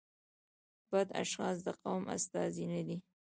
بد اشخاص د قوم استازي نه دي.